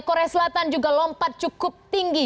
korea selatan juga lompat cukup tinggi